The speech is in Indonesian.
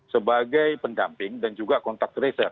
sebagai pendamping dan juga kontak tracer